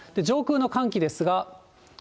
上空の寒気ですが。